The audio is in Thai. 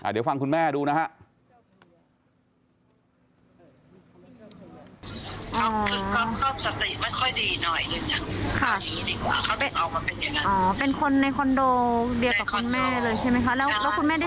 เดี๋ยวฟังคุณแม่ดูนะฮะ